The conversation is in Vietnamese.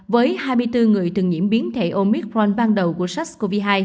với hai mươi bốn người từng nhiễm biến thể omicron ban đầu của sars cov hai